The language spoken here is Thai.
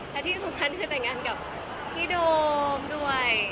และที่สำคัญคือแต่งงานกับพี่โดมด้วย